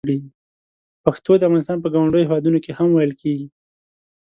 پښتو د افغانستان په ګاونډیو هېوادونو کې هم ویل کېږي.